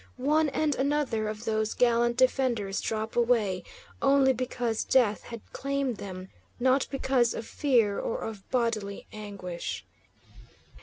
One and another of those gallant defenders drop away; only because death had claimed them, not because of fear or of bodily anguish.